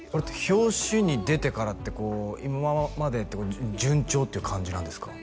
表紙に出てからってこう今まで順調っていう感じなんですか？